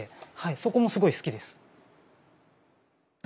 そこもすごい好きです。